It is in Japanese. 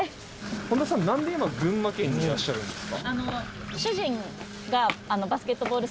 本田さんなんで今群馬県にいらっしゃるんですか？